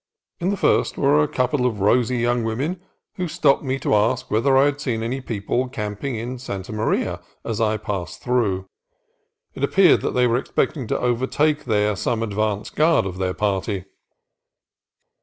In the first were a couple of rosy young women, who stopped me to ask whether I had seen any people camping in Santa Maria as I passed through. It appeared that they were expecting to overtake there some advance guard of their party.